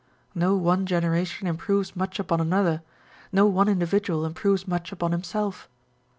No one generation improves much upon another ; no one individual improves much upon himself.